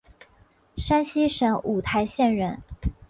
山西省五台县人。